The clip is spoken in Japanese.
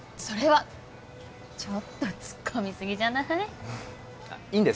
それはちょっと突っ込みすぎじゃない？